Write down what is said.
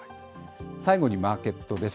最後にマーケットです。